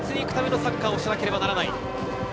国立に行くためのサッカーをしなければならない。